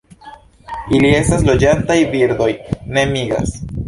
Ili estas loĝantaj birdoj, ne migras.